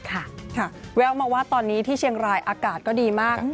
แววมาว่าตอนนี้ที่เชียงรายอากาศก็ดีมาก